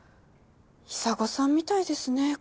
砂金さんみたいですね